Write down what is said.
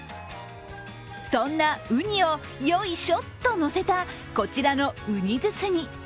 そんな、うにを、よいしょとのせたこちらの、うに包み。